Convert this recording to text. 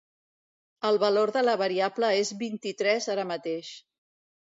El valor de la variable és vint-i-tres ara mateix.